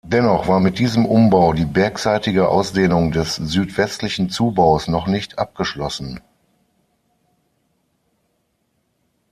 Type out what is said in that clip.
Dennoch war mit diesem Umbau die bergseitige Ausdehnung des südwestlichen Zubaus noch nicht abgeschlossen.